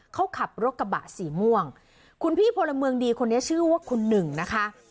เขาขับรถกระบะสีม่วงคุณพี่พลเมืองดีคนนี้ชื่อว่าคุณหนึ่งนะคะ